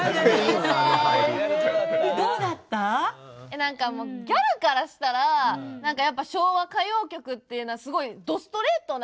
何かもうギャルからしたら何かやっぱ昭和歌謡曲っていうのはすごいどストレートな歌詞なんで。